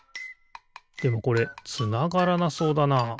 でもこれつながらなそうだな。